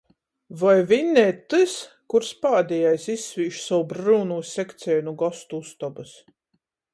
Voi vinnej tys, kurs pādejais izsvīž sovu bryunū sekceju nu gostu ustobys?